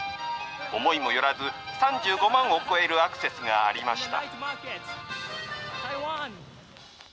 思いも寄らず、３５万を超えるアクセスがありました。